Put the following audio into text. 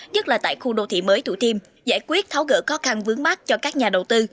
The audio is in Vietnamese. nhất là tại khu đô thị mới thủ tiêm giải quyết tháo gỡ khó khăn vướng mắt cho các nhà đầu tư